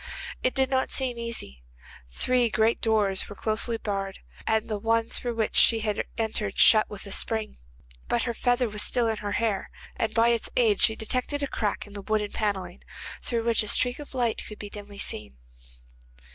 It did not seem easy. The three great doors were closely barred, and the one through which she had entered shut with a spring, but her feather was still in her hair, and by its aid she detected a crack in the wooden panelling, through which a streak of light could be dimly seen.